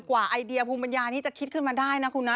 กว่าไอเดียภูมิบรรยานี่จะคิดขึ้นมาได้นะคุณนะ